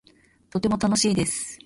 とても楽しいです